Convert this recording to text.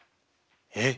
えっ？